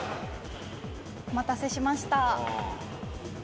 お待たせしました。